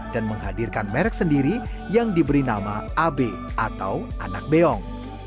dan menghadirkan merk sendiri yang diberi nama ab atau anak beong